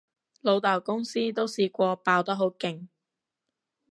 老豆公司都試過爆得好勁